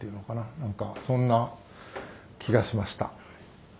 なんかそんな気がしました」